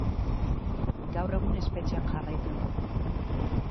Gaur egun espetxean jarraitzen du.